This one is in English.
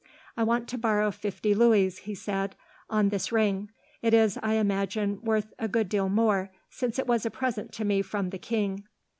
"I want to borrow fifty louis," he said, "on this ring. It is, I imagine, worth a good deal more, since it was a present to me from the king."